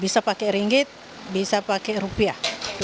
bisa pakai ringgit bisa pakai rupiah